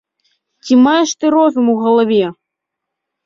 Ці маеш ты розум у галаве!